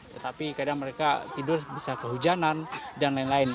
tetapi kadang mereka tidur bisa kehujanan dan lain lain